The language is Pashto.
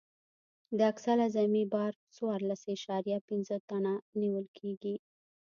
د اکسل اعظمي بار څوارلس اعشاریه پنځه ټنه نیول کیږي